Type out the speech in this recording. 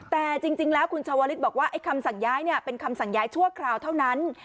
แต่จริงแล้วคุณชาวลิศบอกว่าคำสั่งย้ายเป็นคำสั่งย้ายชั่วคราวเท่านั้น